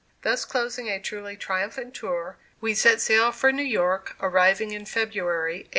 Thus closing a truly triumphant tour, we set sail for New York, arriving in February 1847.